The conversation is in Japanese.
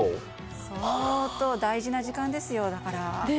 相当大事な時間ですよ、だから。